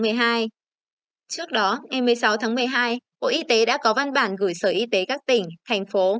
trước đó ngày một mươi sáu tháng một mươi hai bộ y tế đã có văn bản gửi sở y tế các tỉnh thành phố